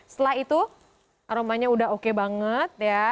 setelah itu aromanya udah oke banget ya